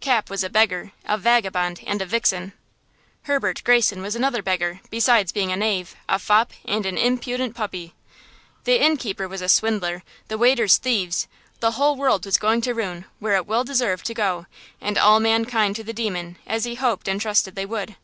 Cap was a beggar, a vagabond and a vixen. Herbert Greyson was another beggar, besides being a knave, a fop and an impudent puppy. The innkeeper was a swindler, the waiters thieves, the whole world was going to ruin, where it well deserved to go, and all mankind to the demon–as he hoped and trusted they would!